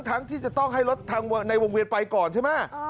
ที่จะต้องให้รถทางในวงเวียนไปก่อนใช่ไหม